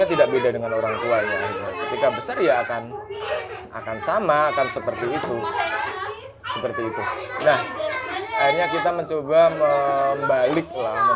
tidak beda dengan orang tuanya akan akan sama akan seperti itu seperti itu kita mencoba membalik